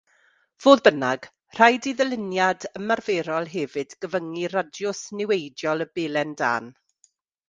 Fodd bynnag, rhaid i ddyluniad ymarferol hefyd gyfyngu radiws niweidiol y belen dân.